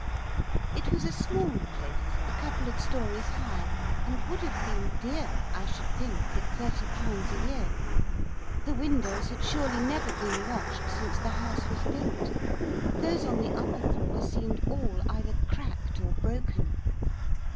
It was a small place, a couple of storeys high, and would have been dear I should think! at thirty pounds a year. The windows had surely never been washed since the house was built, those on the upper floor seemed all either cracked or broken.